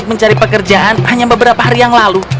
mencari pekerjaan hanya beberapa hari yang lalu